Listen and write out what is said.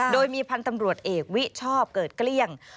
โดยมีพันธ์ตำรวจเอกวิชอบเกิดเกลี้ยง